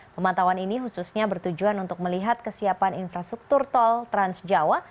pematauan ini khususnya bertujuan untuk melihat kesiapan infrastruktur tol transjawa